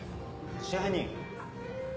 支配人。